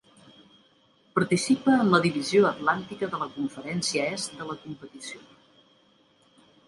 Participa en la Divisió Atlàntica de la Conferència Est de la competició.